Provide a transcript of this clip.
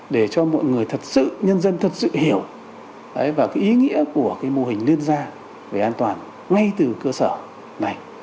để cho mọi người thật sự nhân dân thật sự hiểu và cái ý nghĩa của mô hình liên gia về an toàn ngay từ cơ sở này